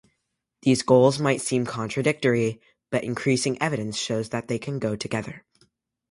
These goals might seem contradictory, but increasing evidence shows that they can go together.